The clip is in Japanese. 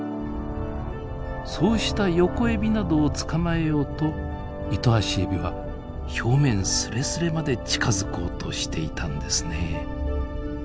そうしたヨコエビなどを捕まえようとイトアシエビは表面すれすれまで近づこうとしていたんですね。